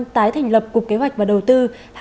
tái thành lập cục kế hoạch và đầu tư